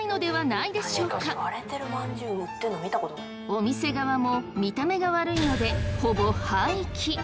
お店側も見た目が悪いのでほぼ廃棄。